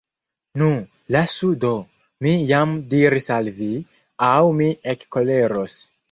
Nu, lasu do, mi jam diris al vi, aŭ mi ekkoleros.